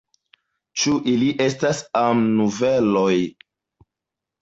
Ĉu ili estas amnoveloj?